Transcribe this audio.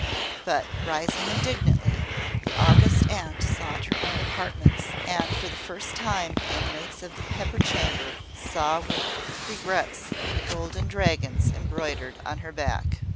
But, rising indignantly, the August Aunt sought her own apartments, and for the first time the inmates of the Pepper Chamber saw with regret the golden dragons embroidered on her back.